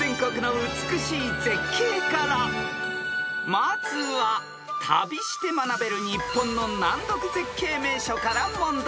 ［まずは旅して学べる日本の難読絶景名所から問題］